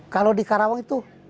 kalau di karawang itu